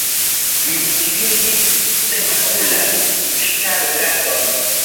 Mi utiligis senmakulan ŝtaldraton.